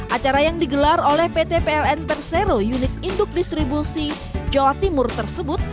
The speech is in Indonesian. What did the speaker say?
acara yang digelar oleh pt pln persero unit induk distribusi jawa timur tersebut